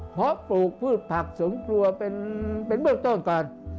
เพราะปลูกพืชผักสวนครัวเป็นเบื้องต้นก่อน